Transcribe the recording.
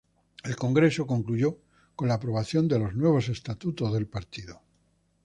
El Congreso concluyó con la aprobación de los nuevos estatutos del partido.